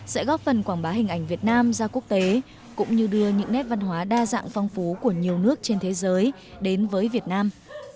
sẽ góp phần quảng bá hình ảnh việt nam ra quốc tế cũng như đưa những nét văn hóa đa dạng phong phú của nhiều nước trên thế giới đến với việt nam